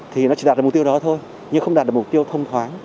thì nó chỉ đạt được mục tiêu đó thôi nhưng không đạt được mục tiêu thông thoáng